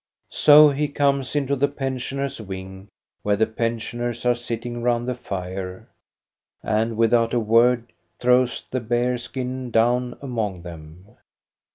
So he comes into the pensioners' wing, where the pensioners are sitting round the fire, and without a word throws the bear skin down among them.